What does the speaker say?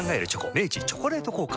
明治「チョコレート効果」